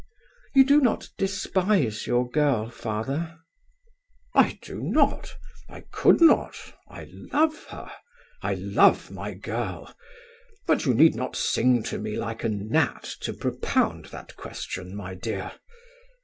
"You do not despise your girl, father?" "I do not; I could not; I love her; I love my girl. But you need not sing to me like a gnat to propound that question, my dear."